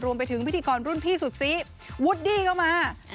รวมไปถึงพิธีกรรุ่นพี่สุดซี้วูดดี้เข้ามาอ่า